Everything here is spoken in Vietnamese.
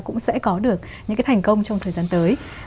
cũng sẽ có được những cái thành công trong thời gian tới